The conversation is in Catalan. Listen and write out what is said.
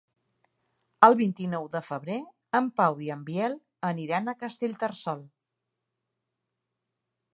El vint-i-nou de febrer en Pau i en Biel aniran a Castellterçol.